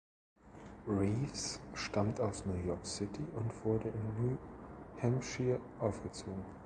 Reeves stammt aus New York City und wurde in New Hampshire aufgezogen.